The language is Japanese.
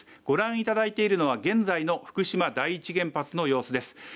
ご覧いただいているのは現在の福島第１原発の様子です